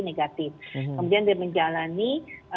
negatif kemudian dia menjalani